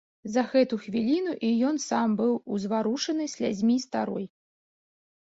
За гэту хвіліну і ён сам быў узварушаны слязьмі старой.